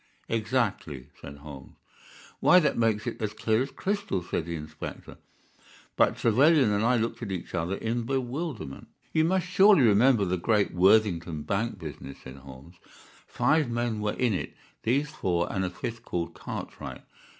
"Exactly," said Holmes. "Why, that makes it as clear as crystal," said the inspector. But Trevelyan and I looked at each other in bewilderment. "You must surely remember the great Worthingdon bank business," said Holmes. "Five men were in it—these four and a fifth called Cartwright.